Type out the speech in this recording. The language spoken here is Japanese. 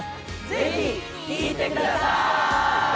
ぜひ聴いてください！